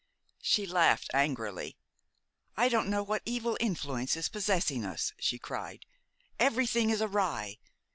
She laughed angrily. "I don't know what evil influence is possessing us," she cried. "Everything is awry.